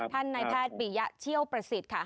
นายแพทย์ปียะเชี่ยวประสิทธิ์ค่ะ